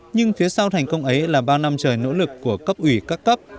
nhưng phía sau thành công ấy là ba năm trời nỗ lực của cấp ủy các cấp